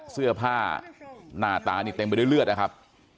เสื้อผ้าหน้าตานี่เต็มไปด้วยเลือดนะครับ